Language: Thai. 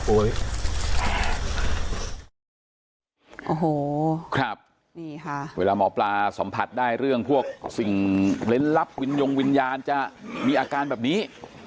โอ้โหครับนี่ค่ะเวลาหมอปลาสัมผัสได้เรื่องพวกสิ่งเล่นลับวินยงวิญญาณจะมีอาการแบบนี้